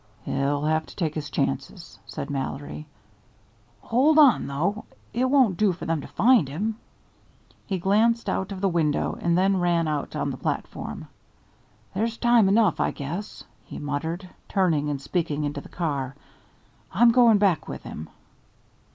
"He'll have to take his chances," said Mallory. "Hold on, though. It won't do for them to find him." He glanced out of the window and then ran out on the platform. "There's time enough, I guess," he muttered, turning and speaking into the car. "I'm goin' back with him."